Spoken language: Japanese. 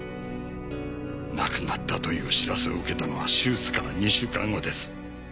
亡くなったという知らせを受けたのは手術から２週間後です。